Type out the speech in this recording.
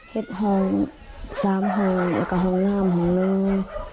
เฮ็ดฮอง๓ฮองแล้วก็ฮองหน้ามฮองหนึ่ง